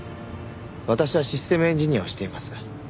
私はシステムエンジニアをしています。